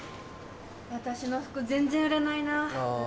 私の服全然売れないな。